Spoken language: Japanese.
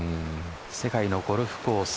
世界のゴルフコース